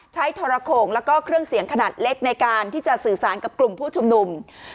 ทรโขงแล้วก็เครื่องเสียงขนาดเล็กในการที่จะสื่อสารกับกลุ่มผู้ชุมนุม